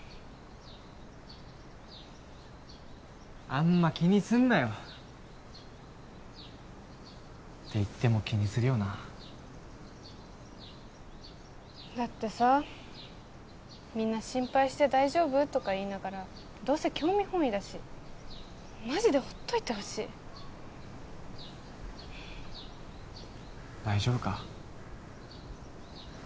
あんま気にすんなよって言っても気にするよなだってさみんな心配して「大丈夫？」とか言いながらどうせ興味本位だしマジでほっといてほしい大丈夫か？